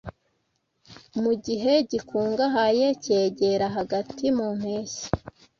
mu gihe gikungahaye cyegera hagati mu mpeshyi